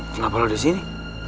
kenapa lo disini